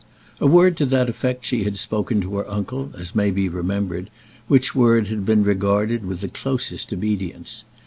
A word to that effect she had spoken to her uncle, as may be remembered, which word had been regarded with the closest obedience.